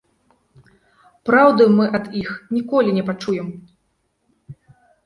Праўды мы ад іх ніколі не пачуем.